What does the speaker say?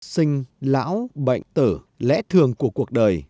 sinh lão bệnh tử lẽ thường của cuộc đời